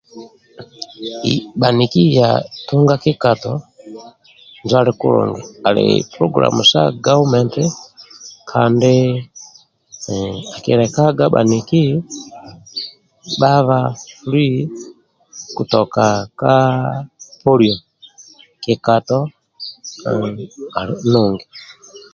Bhaniki tunga kikato njo ali kulungi ali pulogulam sa gavement kandi akilekaga baniki bhabha fri kutoka ka poliyo kikato ali nungi